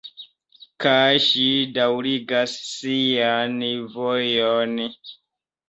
Kaj ŝi daŭrigas sian vojon.